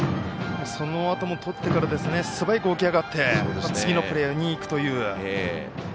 そのあともとってからすばやく起き上がって次のプレーにいくという。